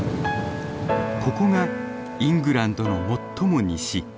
ここがイングランドの最も西。